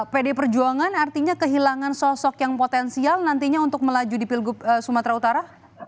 pdi perjuangan artinya kehilangan sosok yang potensial nantinya untuk melaju di pilgub sumatera utara